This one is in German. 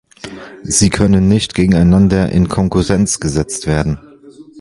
Sie können nicht gegeneinander in Konkurrenz gesetzt werden.